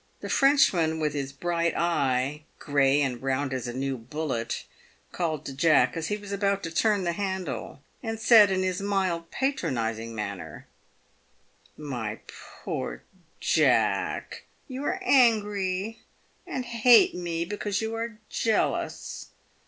The Frenchman with his bright eye, grey and round as a new bullet, called to Jack as he was about to turn the handle, and said, in his mild, patronising manner :■ My poor Jack, you are angry, and hate me, because you are jealous.